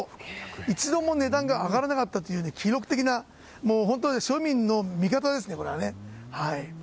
一度も値段が上がらなかったという記録的な、庶民の味方ですね。